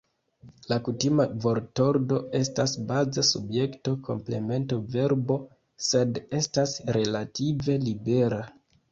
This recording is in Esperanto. La kutima vortordo estas baze subjekto-komplemento-verbo, sed estas relative libera.